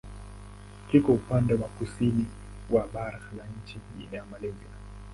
Kiko upande wa kusini wa bara la nchi ya Malaysia.